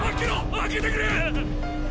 開けてくれ！！